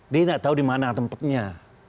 dia gak tau dimana tempatnya